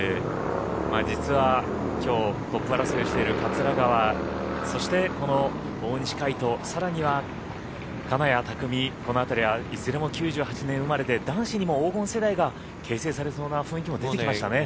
実はきょうトップ争いをしている桂川そして、この大西魁斗さらには金谷拓実、この辺りはいずれも９８年生まれで男子にも黄金世代が形成されそうな雰囲気も出てきましたね。